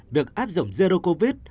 việc áp dụng zero covid